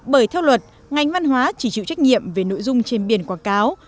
bởi theo luật ngành văn hóa chỉ chịu trách nhiệm về nội dung trên biển quảng cáo